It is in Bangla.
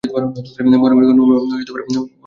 মহেন্দ্র তাহার সেই অকারণ আশঙ্কার আবেশ অনুভব করিতে পারিল।